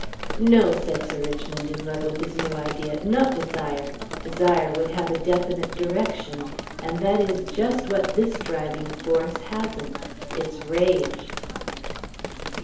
"No," said Sir Richmond, in love with his new idea. "Not desire. Desire would have a definite direction, and that is just what this driving force hasn't. It's rage."